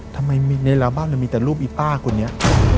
ทำไมในร้านบ้านมีแต่รูปอี๊ป้ากูเนี่ย